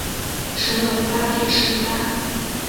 神农大帝圣诞